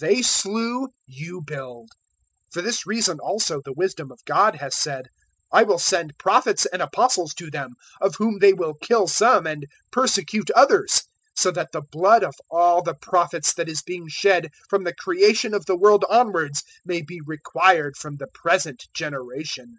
They slew, you build. 011:049 "For this reason also the Wisdom of God has said, `I will send Prophets and Apostles to them, of whom they will kill some and persecute others,' 011:050 so that the blood of all the Prophets, that is being shed from the creation of the world onwards, may be required from the present generation.